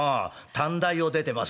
『短大を出てます』？